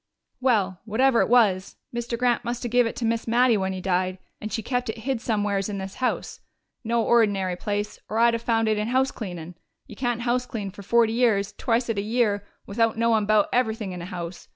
"Well, whatever it was, Mr. Grant must have give it to Miss Mattie when he died, and she kept it hid somewheres in this house. No ordinary place, or I'd have found it in house cleanin'. You can't houseclean for forty years, twicet a year, without knowin' 'bout everything in a house....